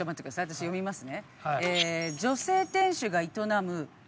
私読みますね。